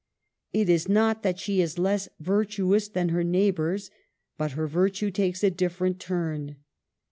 It is not that she is less virtuous than her neighbors, but her virtue takes a different turn.